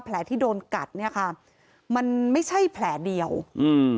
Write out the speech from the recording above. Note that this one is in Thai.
ที่โดนกัดเนี้ยค่ะมันไม่ใช่แผลเดียวอืม